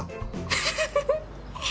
フフフフ。